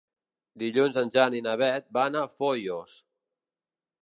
Dilluns en Jan i na Beth van a Foios.